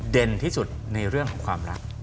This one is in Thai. ที่สุดในเรื่องของความรัก